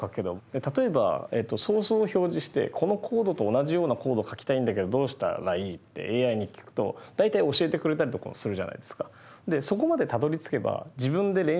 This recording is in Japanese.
例えばソースを表示して「このコードと同じようなコードを書きたいんだけどどうしたらいい？」ってＡＩに聞くと大体教えてくれたりとかもするじゃないですか。